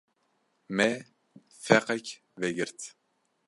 Me feqek vegirt.